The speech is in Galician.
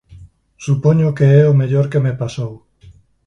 Supoño que é o mellor que me pasou».